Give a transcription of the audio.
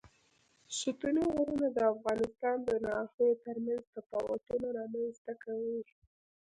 ستوني غرونه د افغانستان د ناحیو ترمنځ تفاوتونه رامنځ ته کوي.